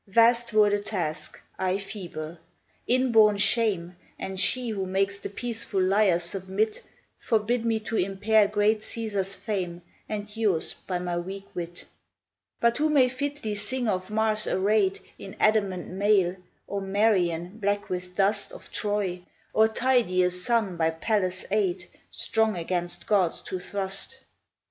Vast were the task, I feeble; inborn shame, And she, who makes the peaceful lyre submit, Forbid me to impair great Caesar's fame And yours by my weak wit. But who may fitly sing of Mars array'd In adamant mail, or Merion, black with dust Of Troy, or Tydeus' son by Pallas' aid Strong against gods to thrust?